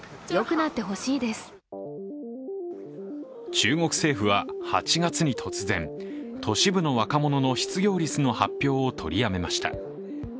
中国政府は８月に突然、都市部の若者の失業率の発表を取りやめました。